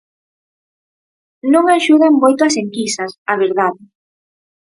Non axudan moito as enquisas, a verdade.